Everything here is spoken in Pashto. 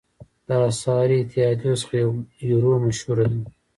د اسعاري اتحادیو څخه یورو مشهوره ده.